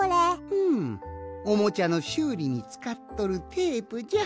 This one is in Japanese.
うんおもちゃのしゅうりにつかっとるテープじゃ。